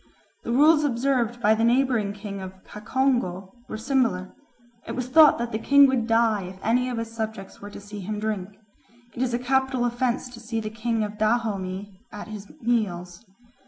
The rules observed by the neighbouring king of Cacongo were similar; it was thought that the king would die if any of his subjects were to see him drink. It is a capital offence to see the king of Dahomey at his meals.